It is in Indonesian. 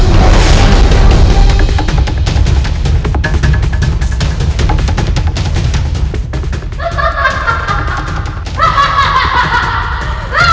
kalian benar benar keterlaluan